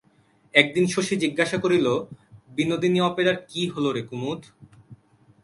একদিন শশী জিজ্ঞাসা করিল, বিনোদিনী অপেরার কী হল রে কুমুদ?